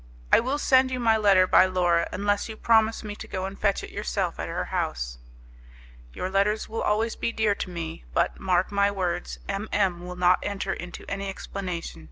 I will send you my letter by Laura, unless you promise me to go and fetch it yourself at her house." "Your letters will always be dear to me, but, mark my words, M M will not enter into any explanation.